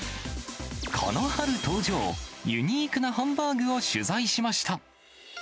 この春登場、ユニークなハンバーグを取材しました。